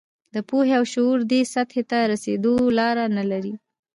د پوهې او شعور دې سطحې ته رسېدو لاره نه لري.